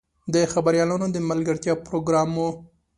د خبریالانو د ملګرتیا پروګرام و.